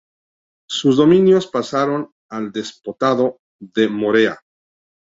Sus dominios pasaron al Despotado de Morea.